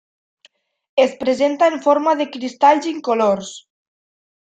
Es presenta en forma de cristalls incolors.